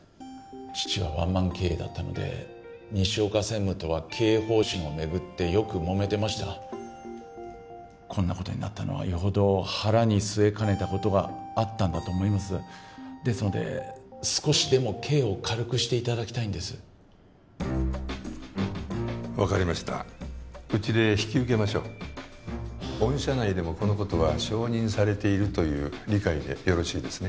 父はワンマン経営だったので西岡専務とは経営方針をめぐってよくもめてましたこんなことになったのはよほど腹に据えかねたことがあったんだと思いますですので少しでも刑を軽くしていただきたいんです分かりましたうちで引き受けましょう御社内でもこのことは承認されているという理解でよろしいですね？